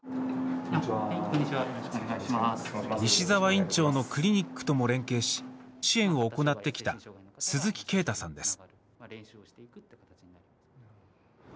西澤院長のクリニックとも連携し支援を行ってきた鈴木慶太さんです。